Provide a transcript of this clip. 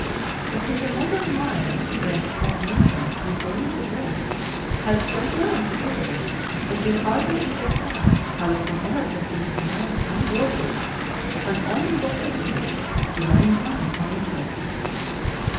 But in the modern mind, principal, and interest within a limited rate, have so grown together, that we hardly understand how it can ever have been pronounced unworthy of an honorable citizen to lend money on interest.